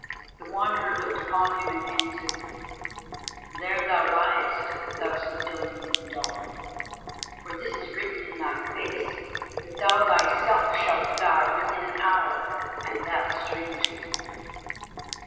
The Wanderer looked upon him and answered: "There thou liest, thou Sidonian dog, for this is written in thy face, that thou thyself shalt die within an hour and that strangely."